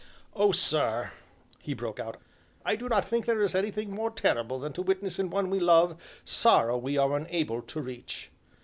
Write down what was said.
"Oh, sir!" he broke out, "I do not think there is anything more terrible than to witness in one we love a sorrow we are unable to reach!"